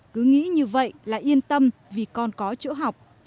cứ nghĩ như vậy là yên tâm vì con có chỗ học